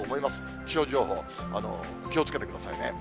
気象情報、気をつけてくださいね。